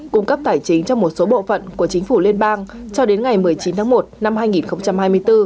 cung cấp tài chính cho một số bộ phận của chính phủ liên bang cho đến ngày một mươi chín tháng một năm hai nghìn hai mươi bốn